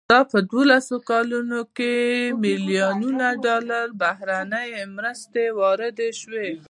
په دا دولسو کلونو کې ملیاردونو ډالرو بهرنیو مرستو ورود شو.